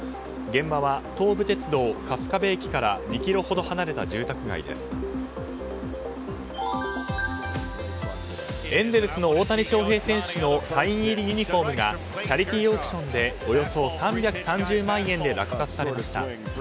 現場は東武鉄道春日部駅から２ｋｍほど離れたエンゼルスの大谷翔平選手のサイン入りユニホームがチャリティーオークションでおよそ３３０万円で落札されました。